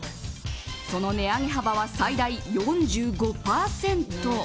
その値上げ幅は最大４５％。